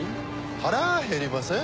腹減りません？